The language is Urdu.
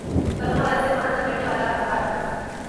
کورونا وائرس سے ماہ تک لڑنے والا اداکار چل بسا